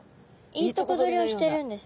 いいとこ取りをしてるんですね。